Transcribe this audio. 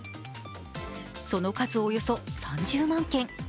その数およそ３０万件。